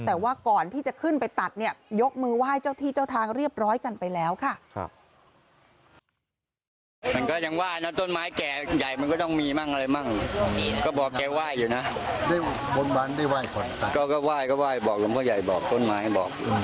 แต่ว่าก่อนที่จะขึ้นไปตัดเนี่ยยกมือไหว้เจ้าที่เจ้าทางเรียบร้อยกันไปแล้วค่ะ